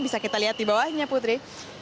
bisa kita lihat di bawahnya putri